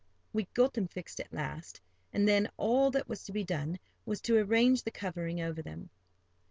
We got them fixed at last, and then all that was to be done was to arrange the covering over them.